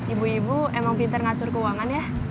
ibu ibu emang pinter ngatur keuangan ya